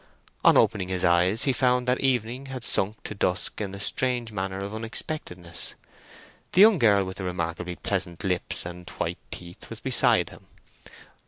On opening his eyes he found that evening had sunk to dusk in a strange manner of unexpectedness. The young girl with the remarkably pleasant lips and white teeth was beside him.